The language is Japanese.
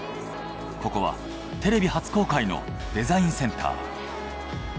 ここはテレビ初公開のデザインセンター。